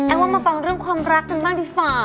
ว่ามาฟังเรื่องความรักกันบ้างดีกว่า